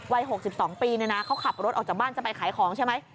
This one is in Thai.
วัย๖๒ปีเขาขับรถออกจากบ้านจะไปขายของใช่ไหม